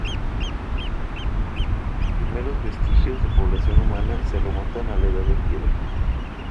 Los primeros vestigios de población humana se remontan a la Edad de Piedra.